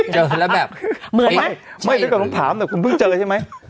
เจอแล้วแบบเหมือนไหมใช่เหมือนกับน้องผาแต่คุณเพิ่งเจอใช่ไหม